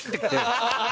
ハハハハ！